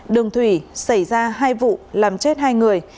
đường thủy xảy ra hai vụ làm chết hai người